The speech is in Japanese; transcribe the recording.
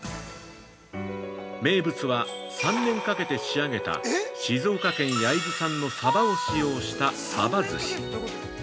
名物は、３年かけて仕上げた静岡県焼津産の鯖を使用した鯖ずし。